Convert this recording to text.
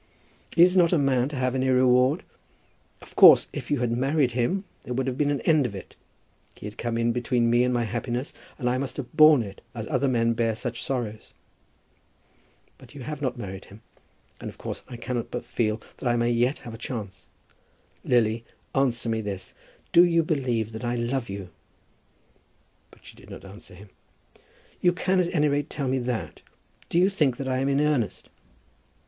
"Is not a man to have any reward? Of course if you had married him there would have been an end of it. He had come in between me and my happiness, and I must have borne it, as other men bear such sorrows. But you have not married him; and, of course, I cannot but feel that I may yet have a chance. Lily, answer me this. Do you believe that I love you?" But she did not answer him. "You can at any rate tell me that. Do you think that I am in earnest?"